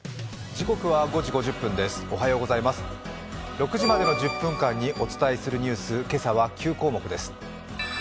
６時までの１０分間にお伝えするニュース、今朝は９項目です。